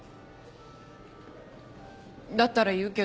だったら言うけど。